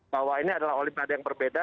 bahwa ini adalah olimpiade yang berbeda